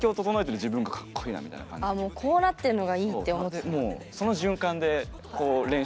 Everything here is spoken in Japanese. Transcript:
それにこうなってるのがいいって思ってたんだ。